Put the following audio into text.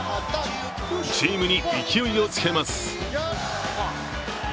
チームに勢いをつけます。